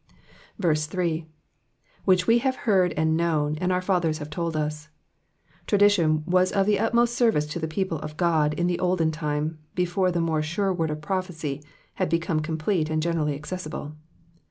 3. Which we have heard and known^ and our fathers have told ««.*' Traditioii was of the utmost service to the people of God in the olden time, before the more sure word of prophecy had become complete and generally accessible.